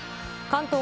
関東